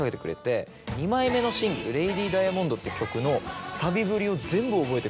２枚目のシングル『Ｌａｄｙダイヤモンド』って曲の。